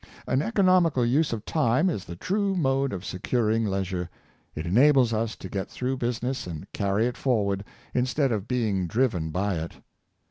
An economical use of time is the true mode of securing leisure; it enables us to get through business and carry it forward, instead of being driven by it.